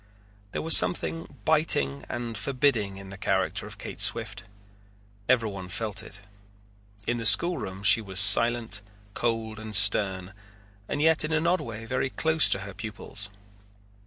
There was something biting and forbidding in the character of Kate Swift. Everyone felt it. In the schoolroom she was silent, cold, and stern, and yet in an odd way very close to her pupils.